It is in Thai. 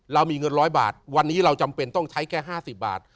เรามีเงิน๑๐๐บาทวันนี้เราจำเป็นต้องใช้แค่๕๐บาท